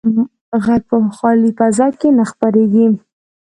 غږ په خالي فضا کې نه خپرېږي.